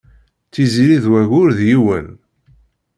Tiziri d wagur d yiwen.